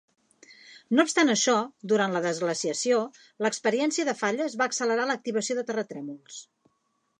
No obstant això, durant la desglaciació, l"experiència de falles va accelerar l"activació de terratrèmols.